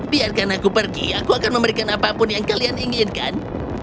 biarkan aku pergi aku akan memberikan apapun yang kalian inginkan